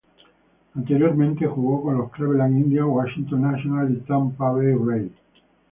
Anteriormente jugó con los Cleveland Indians, Washington Nationals y Tampa Bay Rays.